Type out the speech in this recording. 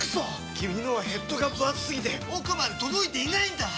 君のはヘッドがぶ厚すぎて奥まで届いていないんだっ！